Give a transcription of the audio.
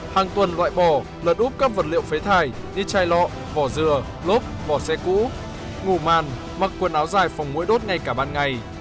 hàng tuần loại bỏ lật úp các vật liệu phế thải như chai lọ vỏ dừa lốp vỏ xe cũ ngủ màn mặc quần áo dài phòng mũi đốt ngay cả ban ngày